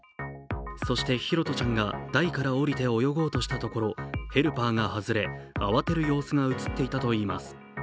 そして拓杜ちゃんが台から降りて泳ごうとしたところヘルパーが外れ慌てる様子が映っていたといいます。